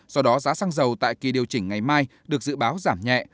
do đó giá xăng dầu tại kỳ điều chỉnh ngày mai được dự báo giảm nhẹ